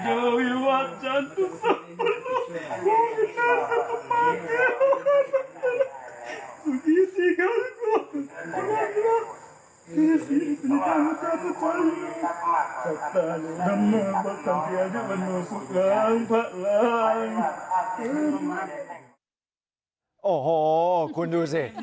โอ้โหคุณดูสิ